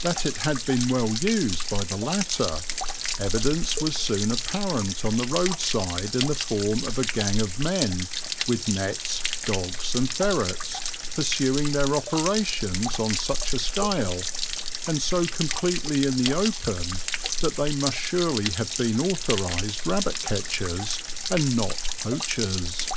That it had been well used by the latter evidence was soon apparent on the roadside in the form of a gang of men, with nets, dogs, and ferrets, pursuing their operations on such a scale, and so completely in the open, that they must surely have been authorized rabbit catchers and not poachers.